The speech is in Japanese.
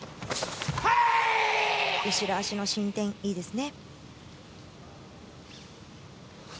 後ろ足の伸展いいですね。